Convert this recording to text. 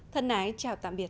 thân ái chào tạm biệt